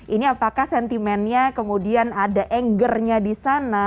ini apakah sentimennya kemudian ada angernya di sana